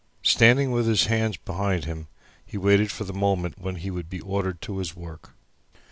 Standing with his hands behind him, he waited for the moment when he would be ordered to his work.